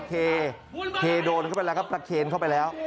เทโดนเข้าไปแล้วก็ประเคนเข้าไปแล้ว